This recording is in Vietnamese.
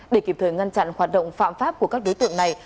để kịp thời ngăn chặn hoạt động phạm pháp của các đối tượng này